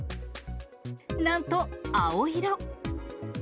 なんと、青色。